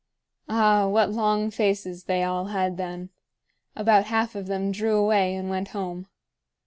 Ah, what long faces they all had then! About half of them drew away and went home.